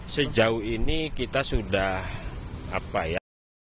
sejauh ini kita sudah apa ya